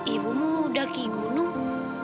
ibumu daki gunung